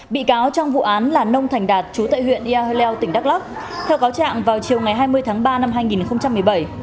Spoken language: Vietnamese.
bị cáo trong vụ án là nông thành đạt chú tại huyện ia leo tỉnh đắk lắc theo cáo trạng vào chiều ngày hai mươi tháng ba năm hai nghìn một mươi bảy